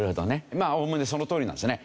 まあおおむねそのとおりなんですね。